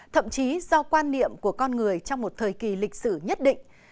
thậm chí do quan niệm của con người trong một thời kỳ lịch sử nhất định